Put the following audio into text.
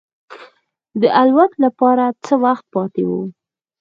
د الوت لپاره څه وخت پاتې و.